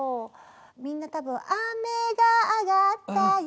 みんな多分「あめがあがったよ」